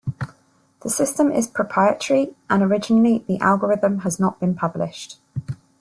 The system is proprietary and originally the algorithm has not been published.